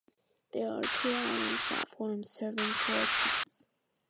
There are two island platforms serving four tracks.